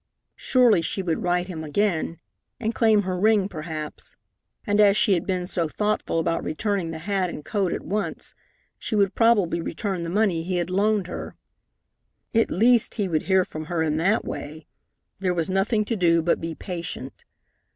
Surely she would write him again, and claim her ring perhaps, and, as she had been so thoughtful about returning the hat and coat at once, she would probably return the money he had loaned her. At least, he would hear from her in that way. There was nothing to do but be patient.